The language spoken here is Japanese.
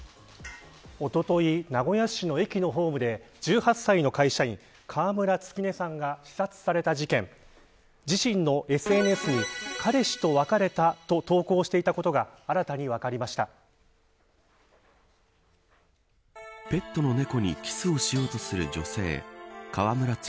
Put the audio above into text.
おととい名古屋市の駅のホームで１８歳の会社員、川村月音さんが刺殺された事件自身のＳＮＳに彼氏と別れたと投稿していたことがペットの猫にキスをしようとする女性川村月